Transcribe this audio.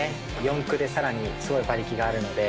四駆でさらにすごい馬力があるので。